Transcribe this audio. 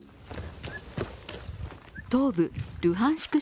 東部ルハンシク